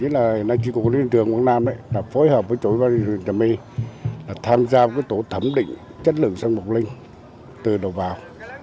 nên chỉ có lý do trường quảng nam là phối hợp với chủ yếu và lý do thẩm mỹ là tham gia một cái tổ thẩm định chất lượng sâm ngọc linh từ đầu vào